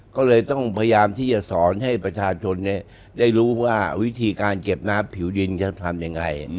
ก็เลยต้องพยายามที่จะสอนให้ประชาชนได้รู้ว่าวิธีการเก็บน้ำผิวดินจะทำยังไง